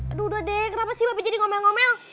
aduh udah deh kenapa sih bapak jadi ngomel ngomel